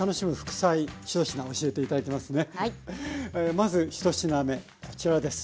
まず１品目こちらです。